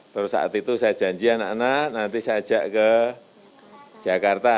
terus saat itu saya janji anak anak nanti saya ajak ke jakarta